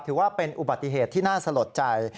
ถือว่าเป็นอุบัติเหตุที่น่าสลดใจ